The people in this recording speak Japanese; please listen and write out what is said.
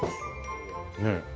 ねえ。